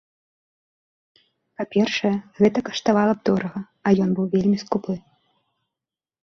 Па-першае, гэта каштавала б дорага, а ён быў вельмі скупы.